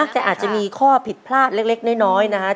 แต่อาจจะมีข้อผิดพลาดเล็กน้อยนะครับ